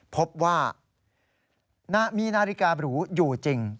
พบว่ามีนาฬิกาบรูอยู่จริง